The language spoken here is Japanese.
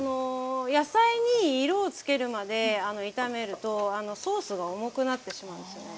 野菜に色をつけるまで炒めるとソースが重くなってしまうんですよね。